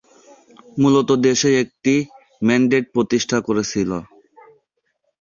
মূলত দেশে একটি ম্যান্ডেট প্রতিষ্ঠা করেছিল।